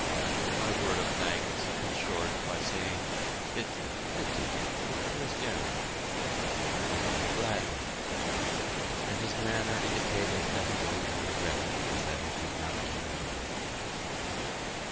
My word of thanks he cut short by saying, "Bitte! bitte! Ich thue es gerne" (I do it gladly); and his manner indicated that his only regret was that he could not do more.